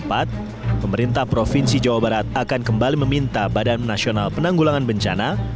pemerintah provinsi jawa barat akan kembali meminta badan nasional penanggulangan bencana